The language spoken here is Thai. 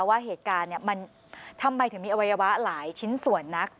ว่าเหตุการณ์มันทำไมถึงมีอวัยวะหลายชิ้นส่วนนัก